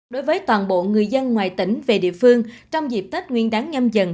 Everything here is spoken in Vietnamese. đối với toàn bộ người dân ngoài tỉnh về địa phương trong dịp tết nguyên đáng nhâm dần hai nghìn hai mươi hai